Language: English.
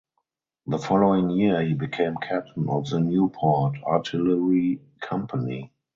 The following year he became captain of the Newport Artillery Company.